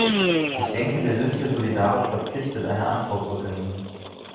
Ich denke, wir sind hier solidarisch verpflichtet, eine Antwort zu finden.